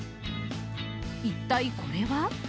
一体これは？